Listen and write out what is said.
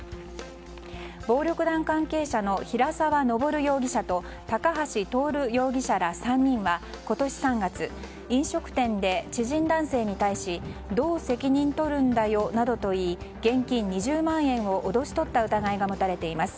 暴力団関係者の平沢昇容疑者と高橋亨容疑者ら３人は今年３月飲食店で知人男性に対しどう責任とるんだよなどと言い現金２０万円を脅し取った疑いが持たれています。